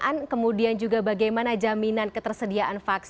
tentu ini ada lembaga lagi yang berwenang